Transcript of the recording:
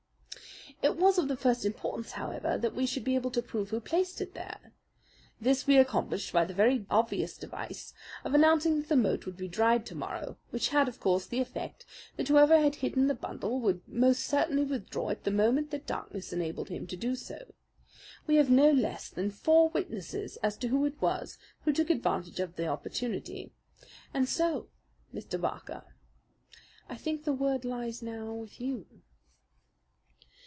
"It was of the first importance, however, that we should be able to prove who placed it there. This we accomplished by the very obvious device of announcing that the moat would be dried to morrow, which had, of course, the effect that whoever had hidden the bundle would most certainly withdraw it the moment that darkness enabled him to do so. We have no less than four witnesses as to who it was who took advantage of the opportunity, and so, Mr. Barker, I think the word lies now with you."